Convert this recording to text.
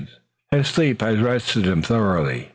His sleep had rested him thoroughly.